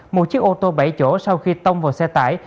một chiếc ô tô bảy chỗ sau khi tông vào xe tải